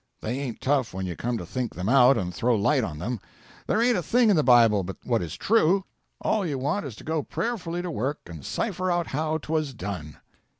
They ain't tough when you come to think them out and throw light on them. There ain't a thing in the Bible but what is true; all you want is to go prayerfully to work and cipher out how 'twas done.'